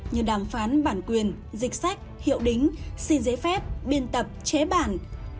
như đàm phán bản quyền dịch sách hiệu đính xin giấy phép biên tập chế bản